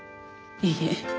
いいえ。